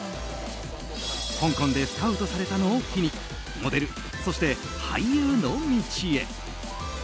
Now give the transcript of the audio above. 香港でスカウトされたのを機にモデル、そして俳優の道へ。